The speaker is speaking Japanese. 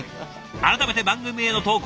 改めて番組への投稿